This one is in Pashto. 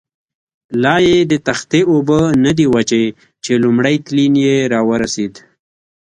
لایې د تختې اوبه نه دي وچې، چې لومړی تلین یې را ورسېد.